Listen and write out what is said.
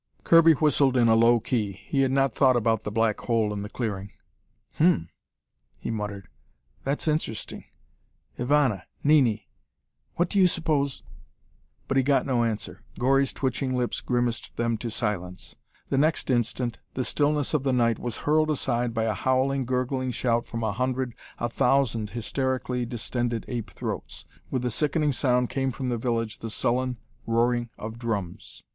Kirby whistled in a low key. He had not thought about the black hole in the clearing. "Hum," he muttered, "that's interesting. Ivana, Nini, what do you suppose " But he got no answer. Gori's twitching lips grimaced them to silence. The next instant, the stillness of the night was hurled aside by a howling, gurgling shout from a hundred, a thousand hysterically distended ape throats. With the sickening sound came from the village the sullen roaring of drums.